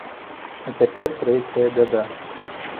А цяпер трэцяя бяда.